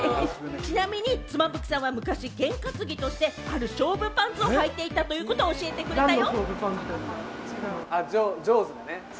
ちなみに妻夫木さんはゲン担ぎとして昔ある勝負パンツをはいていたことを教えてくれたよ。